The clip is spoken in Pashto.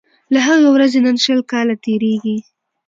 له هغې ورځي نن شل کاله تیریږي